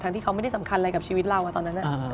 ที่เขาไม่ได้สำคัญอะไรกับชีวิตเราตอนนั้น